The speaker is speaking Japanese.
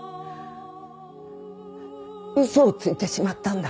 嘘をついてしまったんだ。